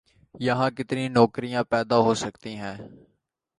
یہاں کتنی نوکریاں پیدا ہو سکتی ہیں؟